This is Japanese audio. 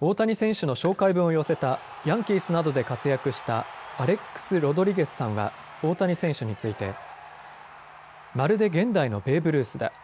大谷選手の紹介文を寄せたヤンキースなどで活躍したアレックス・ロドリゲスさんは大谷選手について、まるで現代のベーブ・ルースだ。